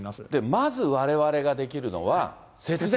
まずわれわれができるのは節電。